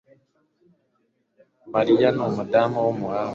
Mariya ni umudamu wumuhanga